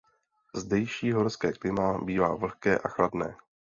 Zdejší horské klima bývá vlhké a chladné.